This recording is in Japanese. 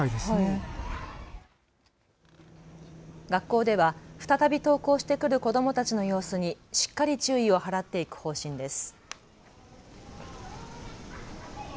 学校では再び登校してくる子どもたちの様子にしっかり注意を払っていく方針です。